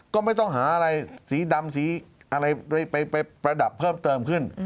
ก็ไม่ต้องหาอะไรสีดำสีอะไรไปประดับเพิ่มเติมขึ้น